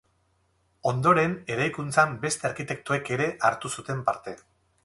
Ondoren eraikuntzan beste arkitektoek ere hartu zuten parte.